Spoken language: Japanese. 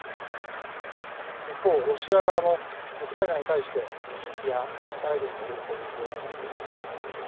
一方、ロシア側もウクライナに対して無人機やミサイルによる攻撃を続けています。